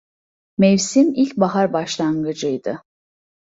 Mevsim ilkbahar başlangıcıydı.